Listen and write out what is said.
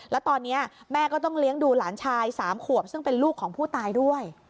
แล้วตอนนี้แม่ก็ต้องเลี้ยงดูหลานชาย๓ขวบซึ่งเป็นลูกของผู้ตายด้วย